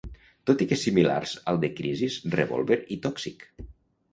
Tot i que similars als de "Crisis", "Revolver" i "Toxic!".